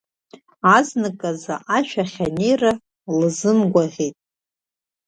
Азныказ ашә ахь анеира лзымгәаӷьит.